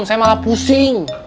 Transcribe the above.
saya malah pusing